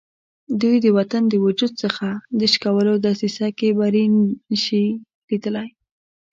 دوی د وطن د وجود څخه د شکولو دسیسه کې بری نه شي لیدلای.